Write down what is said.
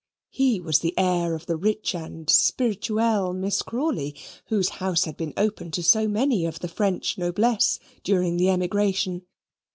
He was the heir of the rich and spirituelle Miss Crawley, whose house had been open to so many of the French noblesse during the emigration.